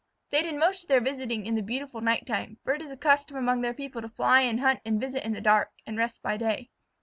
They did most of their visiting in the beautiful night time, for it is a custom among their people to fly and hunt and visit in the dark, and rest by day.